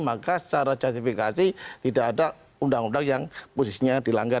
maka secara justifikasi tidak ada undang undang yang posisinya dilanggar